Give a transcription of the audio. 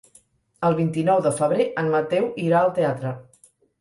El vint-i-nou de febrer en Mateu irà al teatre.